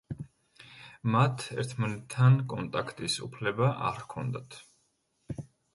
მათ ერთმანეთთან კონტაქტის უფლება არ ჰქონდათ.